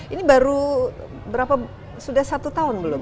ini baru berapa sudah satu tahun belum